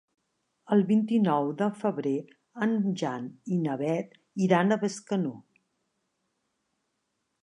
El vint-i-nou de febrer en Jan i na Beth iran a Bescanó.